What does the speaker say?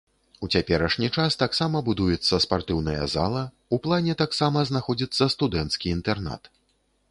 У цяперашні час таксама будуецца спартыўная зала, у плане таксама знаходзіцца студэнцкі інтэрнат.